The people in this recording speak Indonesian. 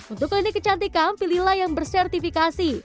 untuk klinik kecantikan pilihlah yang bersertifikasi